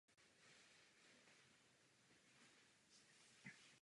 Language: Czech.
Každopádně o počátcích jeho kariéry profesionálního fotografa toho mnoho nevíme.